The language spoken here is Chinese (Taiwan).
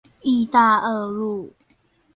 義大二路